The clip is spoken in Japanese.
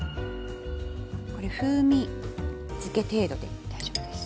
これ風味づけ程度で大丈夫です。